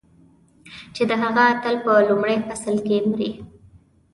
چې د هغه اتل په لومړي فصل کې مري.